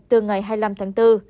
từ ngày hai mươi năm tháng bốn